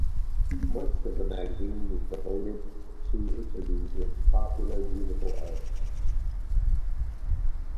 Much of the magazine is devoted to interviews with popular musical artists.